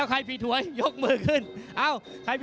สวัสดีครับ